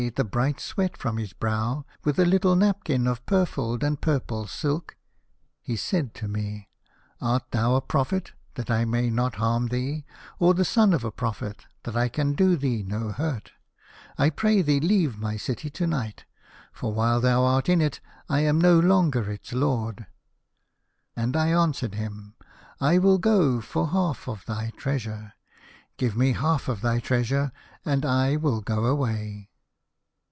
the bright sweat from his brow with a little napkin of purfled and purple silk, he said to me, ' Art thou a prophet, that I may not harm thee, or the son of a prophet that I can do thee no hurt ? I pray thee leave my city to night, for while thou art in it I am no longer its lord.' " And I answered him, ' I will go for half of thy treasure. Give me half of thy treasure, and I will go away.